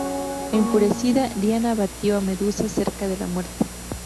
Enfurecida, Diana batió a Medusa cerca de la muerte.